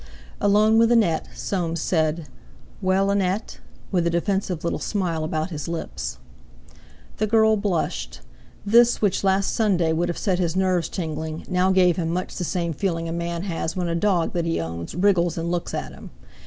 Alone with Annette Soames said, "Well, Annette?" with a defensive little smile about his lips. The girl blushed. This, which last Sunday would have set his nerves tingling, now gave him much the same feeling a man has when a dog that he owns wriggles and looks at him.